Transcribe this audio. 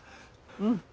うん。